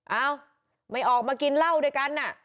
เอ้าไม่ออกมากินเหล้าด้วยกัน